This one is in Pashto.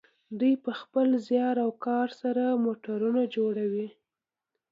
دوی په خپل زیار او کار سره موټرونه جوړوي.